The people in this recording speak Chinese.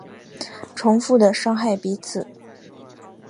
重复的伤害彼此